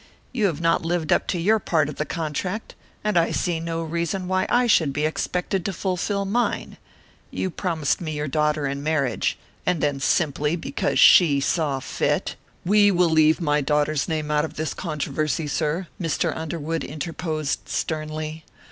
You have not lived up to your part of the contract, and I see no reason why I should be expected to fulfil mine. You promised me your daughter in marriage, and then simply because she saw fit " "We will leave my daughter's name out of this controversy, sir," Mr. Underwood interposed, sternly.